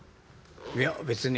いや別に。